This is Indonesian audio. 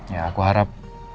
ya aku harap